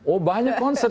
oh banyak konset